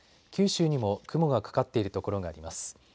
九州にも雲がかかっている所があります。